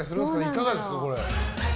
いかがですか。